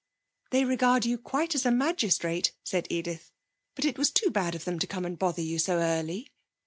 'They regard you quite as a magistrate,' said Edith. 'But it was too bad of them to come and bother you so early.'